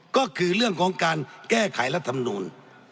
ก็คือเรื่องของการแก้ไขรัฐมนูล